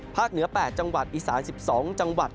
เหนือ๘จังหวัดอีสาน๑๒จังหวัด